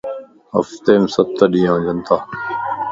ھفتي مَ ستَ ڏينھن ھونجنتا